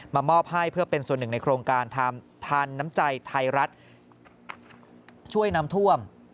มอบให้เพื่อเป็นส่วนหนึ่งในโครงการทานน้ำใจไทยรัฐช่วยน้ำท่วม